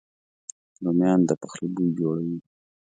رومیان د پخلي بوی جوړوي